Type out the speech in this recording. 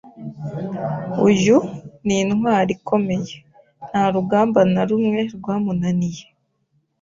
Uyu ni intwari ikomeye, nta rugamba na rumwe rwamunaniye.